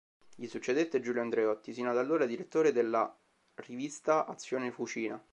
Gli succedette Giulio Andreotti, sino ad allora direttore della rivista "Azione Fucina".